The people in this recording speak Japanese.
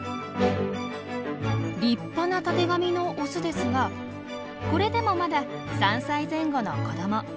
立派なたてがみのオスですがこれでもまだ３歳前後の子ども。